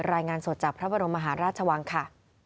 รายงานสดจากพระบรมมหาราชวังค่ะ